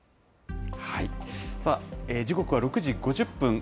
さあ時刻は６時５０分。